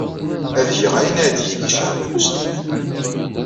Ad geɣ ayen ara d-yini Caɛban U Sliman.